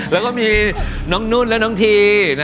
แล้วก็มีน้องนุ่นและน้องที